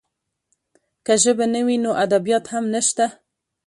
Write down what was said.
که ژبه نه وي، نو ادبیات هم نشته.